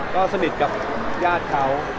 ก็สนิทกับญาติเขา